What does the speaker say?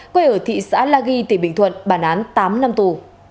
quê ở thị xã la ghi tỉnh bình thuận bản án tám năm tù